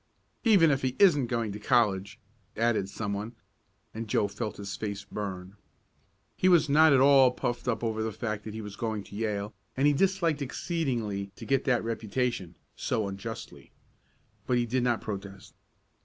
"Even if he isn't going to college!" added someone, and Joe felt his face burn. He was not at all puffed up over the fact that he was going to Yale, and he disliked exceedingly to get that reputation so unjustly. But he did not protest.